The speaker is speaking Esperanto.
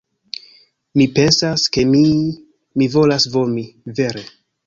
Mi pensas, ke mi... mi volas vomi... vere.